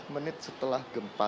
sepuluh menit setelah gempa